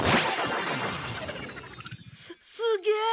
すすげえ！